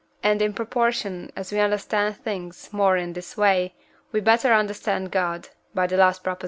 and, in proportion as we understand things more in this way, we better understand God (by the last Prop.)